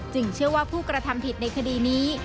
เชื่อว่าผู้กระทำผิดในคดีนี้